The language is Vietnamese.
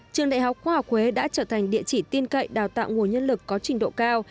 trường đại học khoa học huế đã trở thành địa chỉ tin cậy đào tạo nguồn nhân lực có trình độ cao